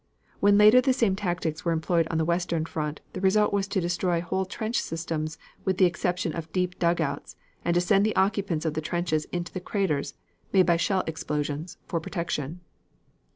When later the same tactics were employed on the western front, the result was to destroy whole trench systems with the exception of deep dugouts, and to send the occupants of the trenches into the craters, made by shell explosions, for protection.